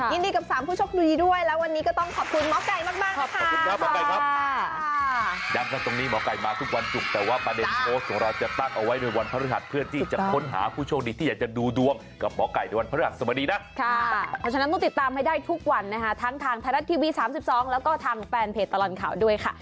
ยินดีกับ๓ผู้โชคดูดีด้วยแล้ววันนี้ก็ต้องขอบคุณหมอไก่มากนะคะ